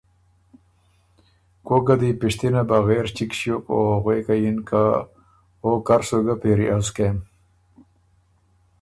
کوکه دی پِشتنه بغېر چِګ ݭیوک او غوېکه یِن که”او کر سُو ګۀ پېری از کېم“